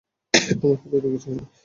আমার হাতে তো কিছু হয়নি।